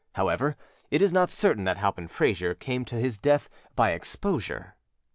However, it is not certain that Halpin Frayser came to his death by exposure.